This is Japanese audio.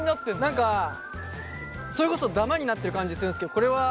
何かそれこそダマになってる感じするんですけどこれは。